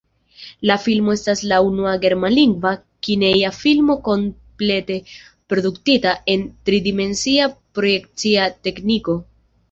La filmo estas la unua germanlingva kineja filmo komplete produktita en tridimensia projekcia tekniko.